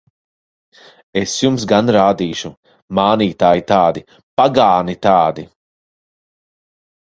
Es jums gan rādīšu! Mānītāji tādi! Pagāni tādi!